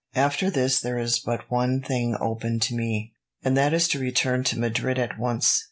After this there is but one thing open to me, and that is to return to Madrid at once.